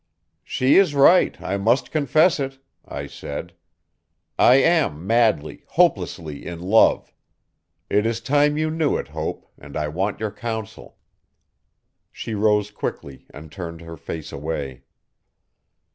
'She is right I must confess it,' I said, 'I am madly, hopelessly in love. It is time you knew it Hope and I want your counsel. She rose quickly and turned her face away.